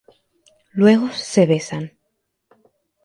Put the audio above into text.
Luego se besan.